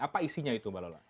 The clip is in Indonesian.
apa isinya itu mbak lola